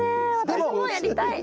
私もやりたい！